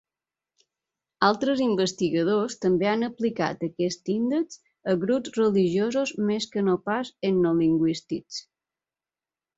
Altres investigadors també han aplicat aquest índex a grups religiosos més que no pas etnolingüístics.